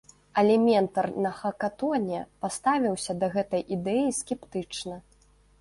Але ментар на хакатоне паставіўся да гэтай ідэі скептычна.